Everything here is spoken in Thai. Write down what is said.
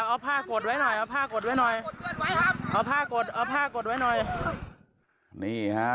ออกผ้ากดไว้หน่อยด้วยหน่อย